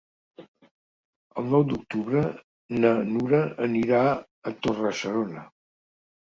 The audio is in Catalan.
El nou d'octubre na Nura anirà a Torre-serona.